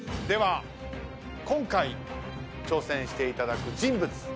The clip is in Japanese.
では今回挑戦していただく人物。